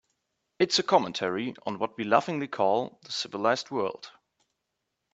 It's a commentary on what we laughingly call the civilized world.